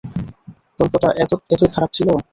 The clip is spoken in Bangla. গল্পটা এতই খারাপ ছিলো?